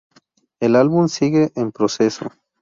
El álbum sigue en proceso.